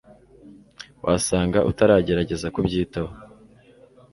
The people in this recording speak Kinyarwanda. wasanga utaragerageza kubyitaho